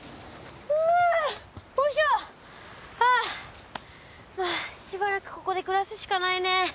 はあしばらくここで暮らすしかないね。